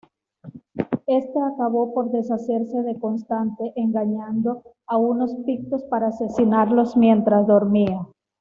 Éste acabó por deshacerse de Constante engañando a unos pictos para asesinarlo mientras dormía.